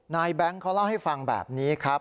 แบงค์เขาเล่าให้ฟังแบบนี้ครับ